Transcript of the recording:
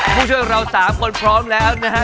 ผู้ช่วยเรา๓คนพร้อมแล้วนะฮะ